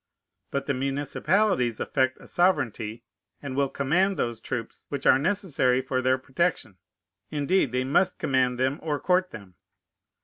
But the municipalities affect a sovereignty, and will command those troops which are necessary for their protection. Indeed, they must command them or court them.